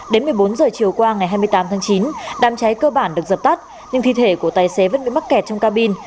đến một mươi bốn giờ chiều qua ngày hai mươi tám tháng chín đám cháy cơ bản được dập tắt nhưng thi thể của tài xế vẫn bị mắc kẹt trong cabin